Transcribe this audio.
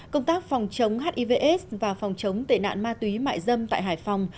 công tác phòng chống hiv aids và phòng chống tệ nạn ma túy mại dâm tại hải phòng